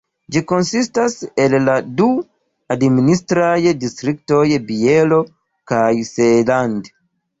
Ĝi konsistas el la du administraj distriktoj Bielo kaj Seeland.